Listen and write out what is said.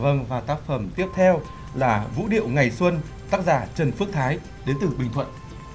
vâng và tác phẩm tiếp theo là vũ điệu ngày xuân tác giả trần phước thái đến từ bình thuận